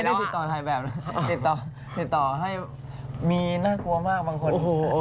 ไม่ได้ติดต่อถ่ายแบบนะติดต่อติดต่อให้มีน่ากลัวมากบางคน